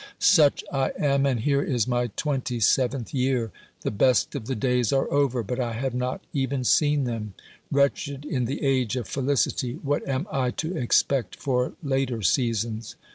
OBERMANN 119 Such I am, and here is my twenty seventh year. The best of the days are over, but I have not even seen them. Wretched in the age of feUcity, what am I to expect for later seasons